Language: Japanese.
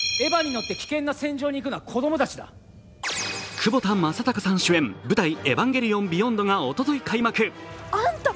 窪田正孝さん主演「舞台・エヴァンゲリオンビヨンド」がおととい開幕。